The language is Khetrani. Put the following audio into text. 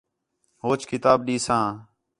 ہوچ کتاب ݙیساں